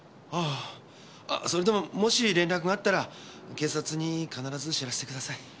それでももし連絡があったら警察に必ず知らせてください。